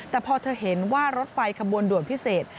แต่พอเธอเห็นว่ารถไฟขบวนด่วนพิเศษ